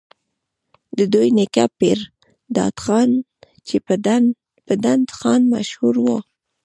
د دوي نيکه پيرداد خان چې پۀ ډنډ خان مشهور وو،